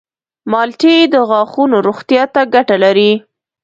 مالټې د غاښونو روغتیا ته ګټه لري.